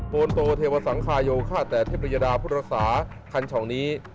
โปรโนโตเทวสังคายโยคาแต่เทพริยดาพุทธศาสตร์คัญชองนี้